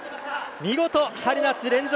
見事、春夏連続